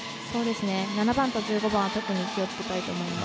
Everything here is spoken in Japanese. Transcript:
７番と１５番は特に気をつけたいです。